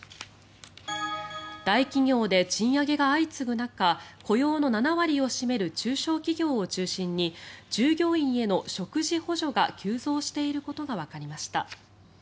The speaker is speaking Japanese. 大企業で賃上げが相次ぐ中雇用の７割を占める中小企業を中心に従業員への食事補助が急増していることがわかりました。